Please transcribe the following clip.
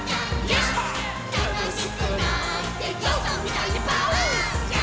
「たのしくなってぞうさんみたいにパオーン」